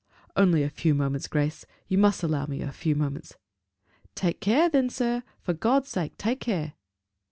"Only a few moments, Grace; you must allow me a few moments." "Take care then, sir! for God's sake, take care!"